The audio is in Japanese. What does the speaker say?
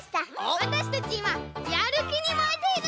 わたしたちいまやるきにもえているの！